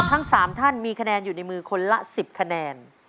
ทั้ง๓ท่านมีคะแนนอยู่ในมือคนละ๑๐คะแนน